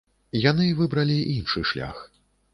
Яны выбралі іншы шлях.